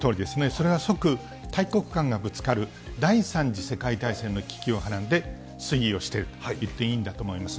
それが即、大国間がぶつかる第３次世界大戦の危機をはらんで推移をしていると言っていいんだと思います。